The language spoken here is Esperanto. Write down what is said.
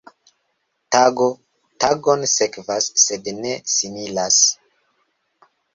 Tago tagon sekvas, sed ne similas.